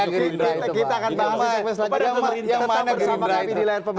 yang mana bersama kami di layar pemerintah